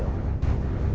aku akan menerima